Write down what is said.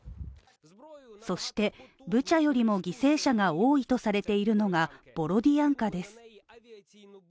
そしてブチャよりも犠牲者が多いとされているのが、ボロディアンカです。